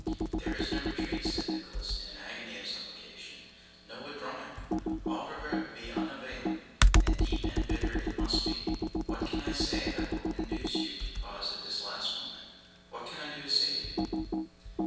'There is no retreat,' said Nicholas, in an agony of supplication; 'no withdrawing! All regret will be unavailing, and deep and bitter it must be. What can I say, that will induce you to pause at this last moment? What can I do to save you?